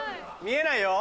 見えないよ？